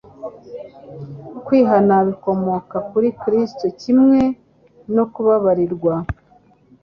Kwihana bikomoka kuri Kristo kimwe no kubabarirwa.